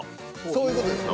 そういう事です。